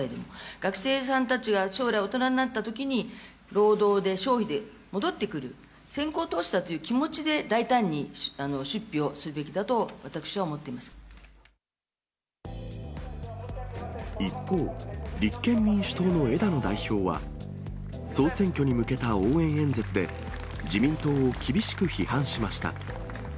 学生さんたちが将来大人になったときに、労働で、消費で戻ってくる、先行投資だという気持ちで大胆に出費をすべき一方、立憲民主党の枝野代表は、総選挙に向けた応援演説で、自民党を厳しく批判しました。